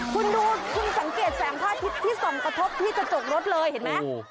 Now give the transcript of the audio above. คุณดูคุณสังเกตแสงพระอาทิตย์ที่ส่องกระทบที่กระจกรถเลยเห็นไหม